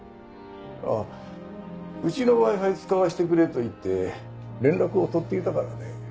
ああうちのＷｉ−Ｆｉ使わせてくれと言って連絡を取っていたからね。